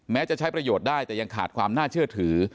จะใช้ประโยชน์ได้แต่ยังขาดความน่าเชื่อถือ